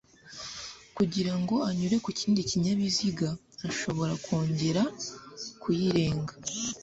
kugirango anyure ku kindi kinyabiziga ashobora kwongera kuyirenga